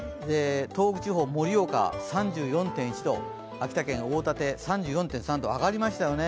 東北地方・盛岡３４．１度、秋田県・大舘３４．３度、上がりましたよね。